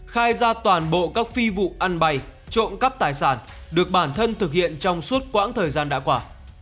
khai ra toàn bộ các phi vụ ăn bày trộm cắp tài sản được bản thân thực hiện trong suốt quãng thời gian đã qua